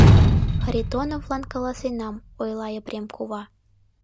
— Харитоновлан каласенам, — ойла Епрем кува.